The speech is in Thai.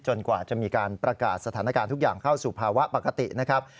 กว่าจะมีการประกาศสถานการณ์ทุกอย่างเข้าสู่ภาวะปกตินะครับ